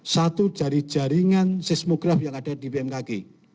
satu dari jaringan seismograf yang ada di bmkg